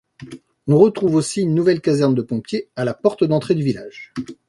On retrouve aussi une nouvelle caserne de pompiers à la porte d'entrée du village.